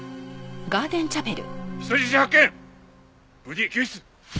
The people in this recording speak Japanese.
無事救出。